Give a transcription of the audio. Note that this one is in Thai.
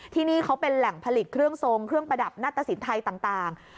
ที่นี่เขาเป็นแหล่งผลิตเครื่องทรงเครื่องประดับหน้าตะสินไทยต่าง